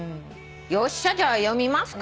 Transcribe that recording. よっしゃじゃあ読みますか？